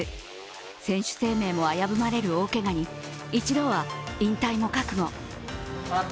選手生命も危ぶまれる大けがに一度は引退も覚悟。